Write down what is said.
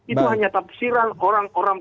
itu hanya tafsiran orang orang